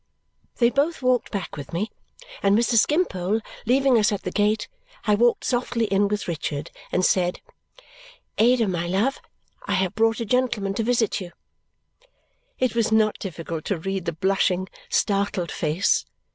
They both walked back with me, and Mr. Skimpole leaving us at the gate, I walked softly in with Richard and said, "Ada, my love, I have brought a gentleman to visit you." It was not difficult to read the blushing, startled face.